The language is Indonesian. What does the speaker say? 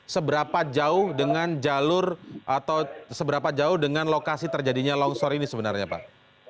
seberapa jauh dengan jalur atau seberapa jauh dengan lokasi terjadinya longsor ini sebenarnya pak